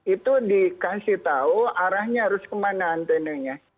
itu dikasih tahu arahnya harus kemana antenanya